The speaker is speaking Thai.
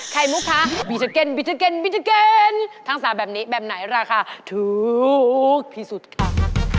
ใครมุกคะบิตเก็นทั้ง๓แบบนี้แบบไหนราคาถูกพิสุทธิ์ค่ะ